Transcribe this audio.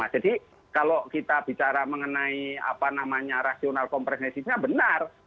jadi kalau kita bicara mengenai apa namanya rasional kompresisinya benar